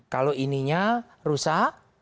kalau ininya rusak